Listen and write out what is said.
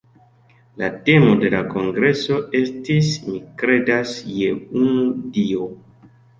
La temo de la kongreso estis "Mi kredas je unu Dio".